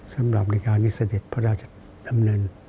สำหรับริการิสดิตพระราชดำเนิน